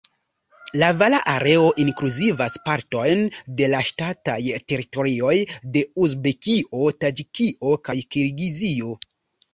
La vala areo inkluzivas partojn de la ŝtataj teritorioj de Uzbekio, Taĝikio kaj Kirgizio.